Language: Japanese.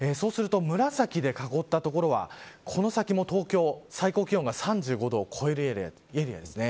紫で囲った所はｍこの先も東京最高気温が３５度を超えるエリアです。